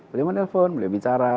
beliau menelpon beliau bicara